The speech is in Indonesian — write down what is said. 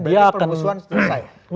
dia akan berusuhan setelah itu